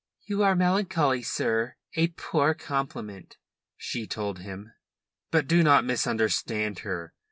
"You are melancholy, sir a poor compliment," she told him. But do not misunderstand her.